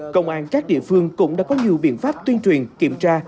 công an các địa phương cũng đã có nhiều biện pháp tuyên truyền kiểm tra